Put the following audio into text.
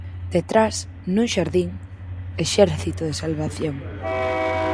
Detrás, nun xardín: Exército de Salvación.